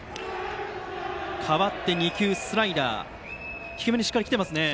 代わって２球スライダーが低めにしっかり来てますね。